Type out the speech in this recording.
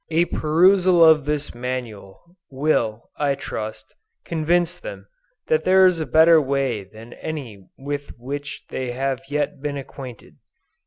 A perusal of this Manual, will, I trust, convince them that there is a better way than any with which they have yet been acquainted.